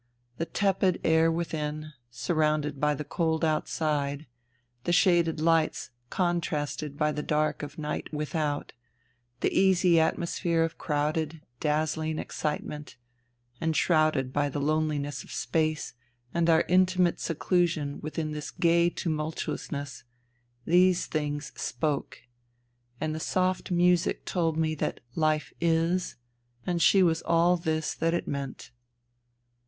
... The tepid air within, surrounded by the cold outside, the shaded lights contrasted by the dark of night without, the easy atmosphere of crowded, dazzling excitement, en shrouded by the loneliness of space, and our intimate seclusion within this gay tumultuousness— these things spoke. And the soft music told me that hfe is, and that she was all this that it meant.